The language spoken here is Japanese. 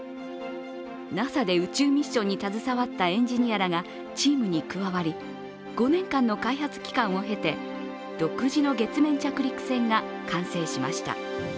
ＮＡＳＡで宇宙ミッションに携わったエンジニアらがチームに加わり、５年間の開発期間を経て独自の月面着陸船が完成しました。